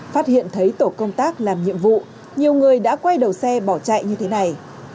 phát hiện thấy tổ công tác làm nhiệm vụ nhiều người đã quay đầu xe bỏ chạy như thế này